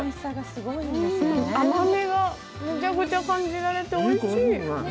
甘みがめちゃくちゃ感じられておいしい。